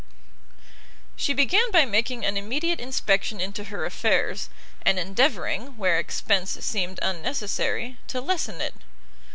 She began by making an immediate inspection into her affairs, and endeavouring, where expence seemed unnecessary, to lessen it.